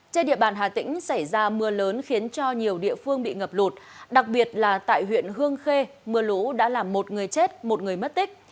trên địa bàn hà tĩnh xảy ra mưa lớn khiến cho nhiều địa phương bị ngập lụt đặc biệt là tại huyện hương khê mưa lũ đã làm một người chết một người mất tích